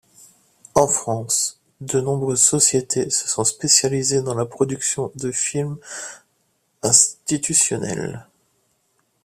En France, de nombreuses sociétés se sont spécialisées dans la production de films institutionnels.